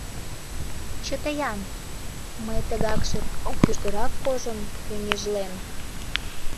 — Чыте-ян, мый тыгакше кӱжгырак кожым йоҥежлем.